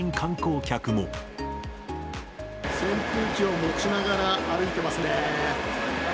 扇風機を持ちながら歩いてますね。